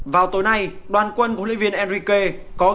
vào tối nay đoàn quân của huấn luyện viên enrique có